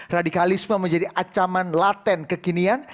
radikalisme menjadi ancaman laten kekinian